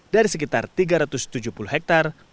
dari sekitar tiga ratus tujuh puluh hektare